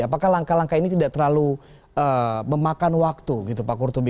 apakah langkah langkah ini tidak terlalu memakan waktu gitu pak kurtubi